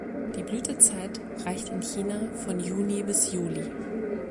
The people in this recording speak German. Die Blütezeit reicht in China von Juni bis Juli.